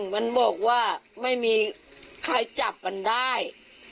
มันบอกว่าไม่มีใครจับมันได้